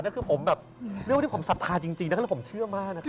นี่คือเรื่องผมสัตว์ภาพจริงแล้วผมเชื่อมาก